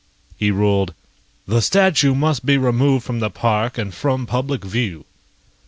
He ruled: "The statue must be removed from the park and from public view."